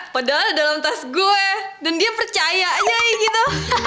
padahal dalam tas gue dan dia percaya aja gitu